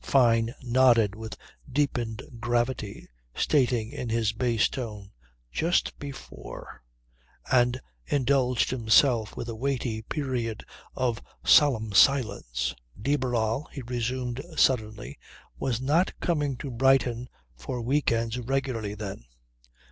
Fyne nodded with deepened gravity, stating in his bass tone "Just before," and indulged himself with a weighty period of solemn silence. De Barral, he resumed suddenly, was not coming to Brighton for week ends regularly, then.